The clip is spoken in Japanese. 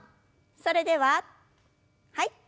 それでははい。